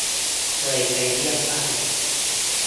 เคยไปเยี่ยมบ้าน